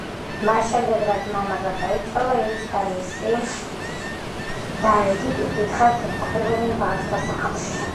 მას შემდეგ, რაც მამა გარდაეცვალა, ის და მისი და ედიტი დიდხანს იმყოფებოდნენ ბავშვთა სახლში.